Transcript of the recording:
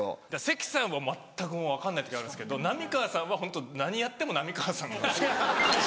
関さんは全く分かんない時あるんですけど浪川さんはホント何やっても浪川さん。